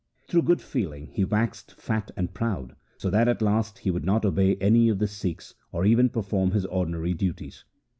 Through good feeding he waxed fat and proud, so that at last he would not obey any of the Sikhs or even perform his ordinary duties.